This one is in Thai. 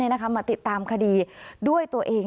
มาติดตามคดีด้วยตัวเอง